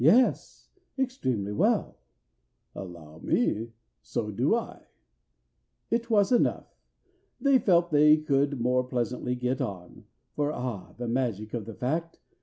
"Yes, extremely well." "Allow me, so do I." It was enough: they felt they could more pleasantly get on, For (ah, the magic of the fact!)